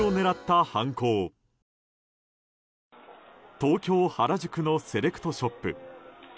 東京・原宿のセレクトショップ。